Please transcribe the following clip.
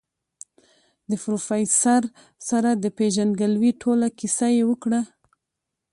د پروفيسر سره د پېژندګلوي ټوله کيسه يې وکړه.